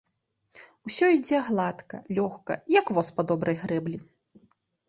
Усё ідзе гладка, лёгка, як воз па добрай грэблі.